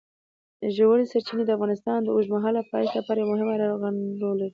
ژورې سرچینې د افغانستان د اوږدمهاله پایښت لپاره یو مهم او رغنده رول لري.